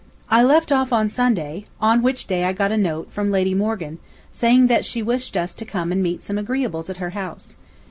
I left off on Sunday, on which day I got a note from Lady Morgan, saying that she wished us to come and meet some agreeables at her house.